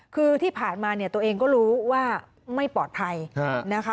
คือที่ผ่านมาเนี่ยตัวเองก็รู้ว่าไม่ปลอดภัยนะคะ